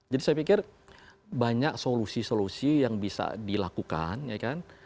jadi saya pikir banyak solusi solusi yang bisa dilakukan ya kan